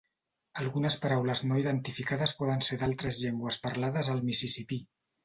Algunes paraules no identificades poden ser d'altres llengües parlades al Mississipí.